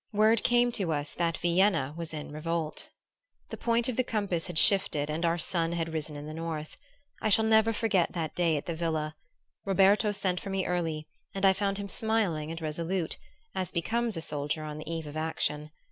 word came to us that Vienna was in revolt. The points of the compass had shifted and our sun had risen in the north. I shall never forget that day at the villa. Roberto sent for me early, and I found him smiling and resolute, as becomes a soldier on the eve of action.